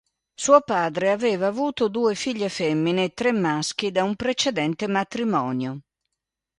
Suo padre aveva avuto due figlie femmine e tre maschi da un precedente matrimonio.